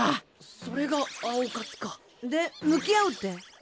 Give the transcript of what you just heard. それが青活か。で向き合うって？